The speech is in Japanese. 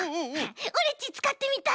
オレっちつかってみたい。